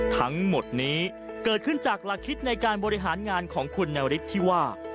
ทั้งหมดนี้เกิดขึ้นจากหลักคิดในการบริหารงานของคุณนฤทธิ์ที่ว่า